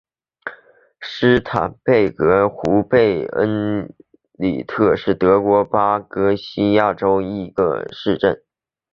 施坦贝格湖畔贝恩里特是德国巴伐利亚州的一个市镇。